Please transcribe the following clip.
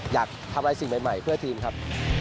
อยากทำอะไรสิ่งใหม่เพื่อทีมครับ